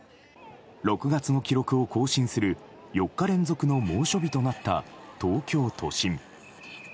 ６月の記録を更新する４日連続の猛暑日となった東京都心。